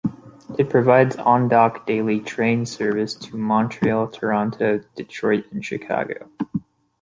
It provides on-dock daily train service to Montreal, Toronto, Detroit and Chicago.